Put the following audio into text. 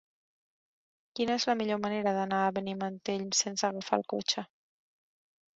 Quina és la millor manera d'anar a Benimantell sense agafar el cotxe?